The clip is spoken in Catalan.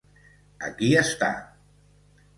Aquí està.